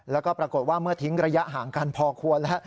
แล้วก็ปรากฏว่าเมื่อทิ้งระยะห่างกันพอควรแล้ว